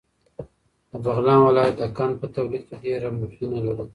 د بغلان ولایت د قند په تولید کې ډېره مخینه لري.